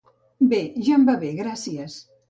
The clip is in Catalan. Bé, ja em va bé, gràcies.